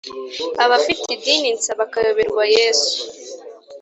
abafite idini nsa, bakayoberwa yesu,